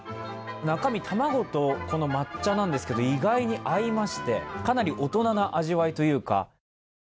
中身、卵と抹茶なんですけど意外に合いましてかなり大人な味わいというか。